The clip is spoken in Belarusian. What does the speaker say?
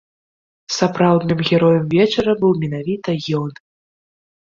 Сапраўдным героем вечара быў менавіта ён.